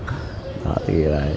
rất là tích cực